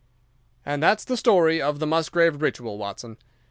"And that's the story of the Musgrave Ritual, Watson.